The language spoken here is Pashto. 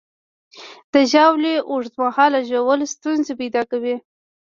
د ژاولې اوږد مهاله ژوول ستونزې پیدا کولی شي.